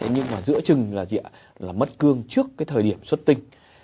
nhưng mà giữa chừng là gì ạ là mất cương trước cái thời điểm xuất tinh